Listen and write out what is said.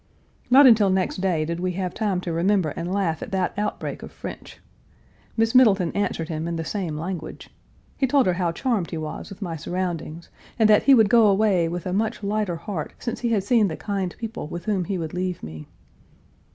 Not until next day did we have time to remember and laugh at that outbreak of French. Miss Middleton answered him in the same language. He told her how charmed he was with my surroundings, and that he would go away with a much lighter heart since he had seen the kind people with whom he would leave me.